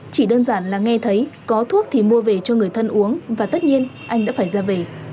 chỉ đơn giản là nghe thấy có thuốc thì mua về cho người thân uống và tất nhiên anh đã phải ra về